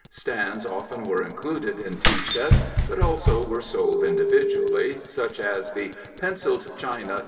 Stands often were included in tea sets but also were sold individually, such as the "Pencil'd China